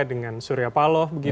dengan surya paloh